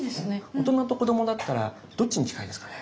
大人と子どもだったらどっちに近いですかね？